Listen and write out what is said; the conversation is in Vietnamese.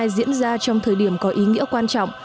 diễn ra trong thời điểm có ý nghĩa quan trọng